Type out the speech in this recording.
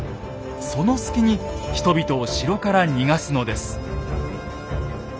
その隙に人々を城から逃がすのです。